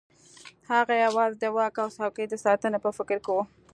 هغه یوازې د واک او څوکۍ د ساتنې په فکر کې وو.